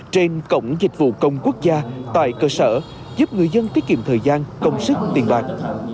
trên cổng dịch vụ công quốc gia tại cơ sở giúp người dân tiết kiệm thời gian công sức tiền bạc